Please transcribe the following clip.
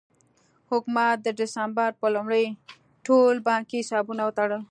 حکومت د ډسمبر په لومړۍ ټول بانکي حسابونه وتړل.